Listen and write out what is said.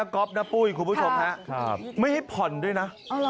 คุณผู้ชมนะไม่ให้ผ่อนด้วยนะ